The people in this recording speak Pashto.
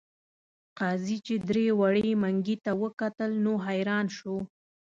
قاضي چې دړې وړې منګي ته وکتل نو حیران شو.